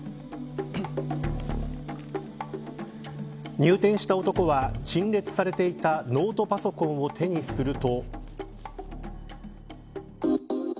入店した男は、陳列されていたノートパソコンを手にすると。